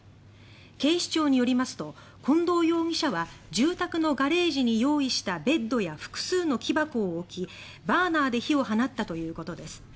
警視庁によりますと近藤容疑者は住宅のガレージに用意したベッドや複数の木箱を置き、バーナーで火を放ったということです。